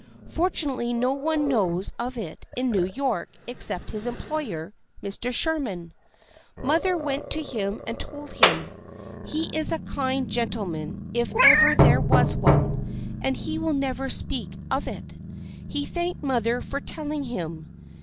Fortunately no one knows of it in New York except his employer, Mr. Sherman. Mother went to him and told him. He is a kind gentle man, if ever there was one, and he will never speak of it. He thanked mother for telling him.